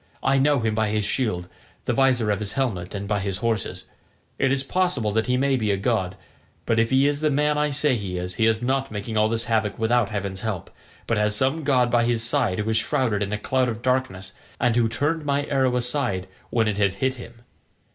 I know him by his shield, the visor of his helmet, and by his horses. It is possible that he may be a god, but if he is the man I say he is, he is not making all this havoc without heaven's help, but has some god by his side who is shrouded in a cloud of darkness, and who turned my arrow aside when it had hit him.